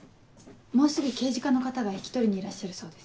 もうすぐ刑事課の方が引き取りにいらっしゃるそうです。